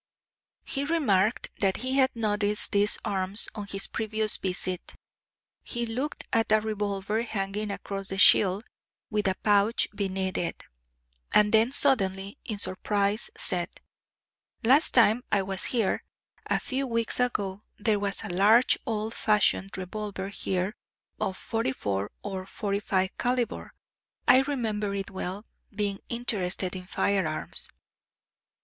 He remarked that he had noticed these arms on his previous visit. He looked at a revolver hanging across the shield, with a pouch beneath it, and then suddenly, in surprise, said: "Last time I was here, a few weeks ago, there was a large old fashioned revolver here of 44 or 45 calibre. I remember it well, being interested in firearms.